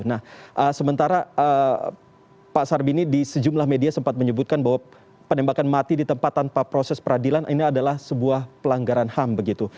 nah sementara pak sarbini di sejumlah media sempat menyebutkan bahwa penembakan mati di tempat tanpa proses peradilan ini adalah sebuah pelanggaran ham begitu